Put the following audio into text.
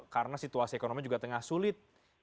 karena situasi ekonomi juga tengah sulit